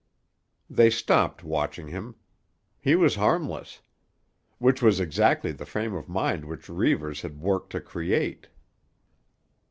They stopped watching him. He was harmless. Which was exactly the frame of mind which Reivers had worked to create.